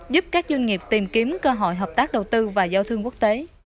giúp các doanh nghiệp tìm kiếm cơ hội hợp tác đầu tư và giao thương quốc tế